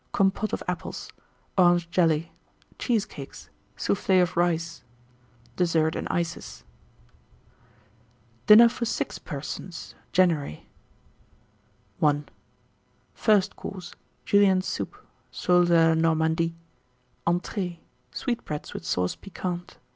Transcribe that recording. Compôte of Apples. Orange Jelly. Cheesecakes. Soufflé of Rice. DESSERT AND ICES. 1891. DINNER FOR 6 PERSONS (January). I. FIRST COURSE. Julienne Soup. Soles à la Normandie. ENTREES. Sweetbreads, with Sauce Piquante.